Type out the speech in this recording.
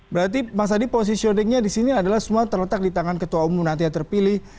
berarti mas adi positioningnya di sini adalah semua terletak di tangan ketua umum nanti yang terpilih